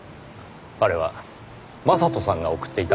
あれは将人さんが送っていたんですね？